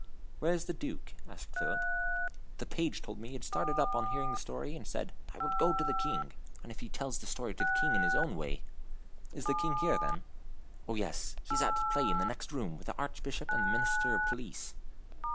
"Where is the Duke?" asked Philip. "The page told me he started up on hearing the story, and said, 'I will go to the King.' And if he tells the story to the King in his own way " "Is the King here, then?" "Oh, yes, he is at play in the next room, with the Archbishop and the Minister of Police."